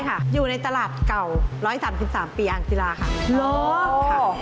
อยู่ในตลาดเก่า๑๓๓ปีอ่างศิลาค่ะ